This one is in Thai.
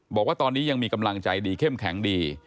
บอกว่าตอนนี้ยังมีกำลังใจดีเข้มแข็งดี